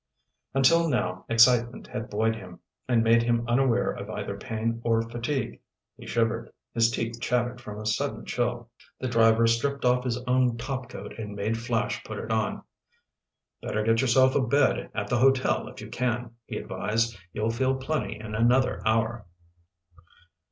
Until now excitement had buoyed him, and made him unaware of either pain or fatigue. He shivered. His teeth chattered from a sudden chill. The driver stripped off his own topcoat and made Flash put it on. "Better get yourself a bed at the hotel if you can," he advised. "You'll feel plenty in another hour."